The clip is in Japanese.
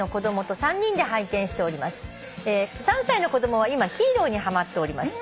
「３歳の子供は今ヒーローにはまっております」